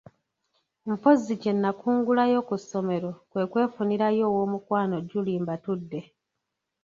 Mpozzi kye nakungulayo ku ssomero kwe kwefunirayo owoomukwano Julie Mbatudde.